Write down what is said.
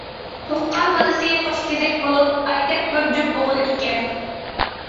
تۇغقان بالىسى قوشكېزەك بولۇپ، ئايدەك بىر جۈپ ئوغۇل ئىكەن.